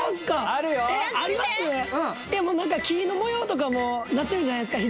あるよでも何か木の模様とかもなってるじゃないですか